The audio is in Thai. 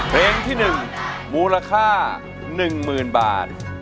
เพลงที่๑มูลค่า๑๐๐๐บาท